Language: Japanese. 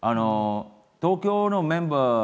東京のメンバー